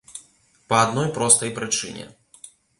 Па адной простай прычыне.